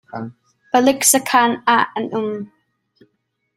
Palik sakhan ah an um.